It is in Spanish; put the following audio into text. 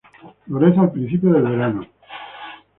Florece al principio del verano.